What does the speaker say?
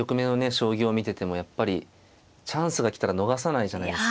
将棋を見ててもやっぱりチャンスが来たら逃さないじゃないですか。